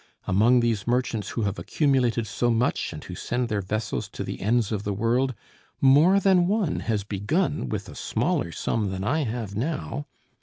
Among these merchants who have accumulated so much and who send their vessels to the ends of the world, more than one has begun with a smaller sum than I have now.